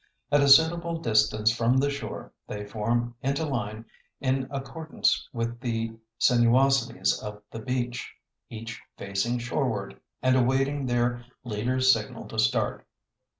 At a suitable distance from the shore they form into line in accordance with the sinuosities of the beach, each facing shoreward and awaiting their leader's signal to start.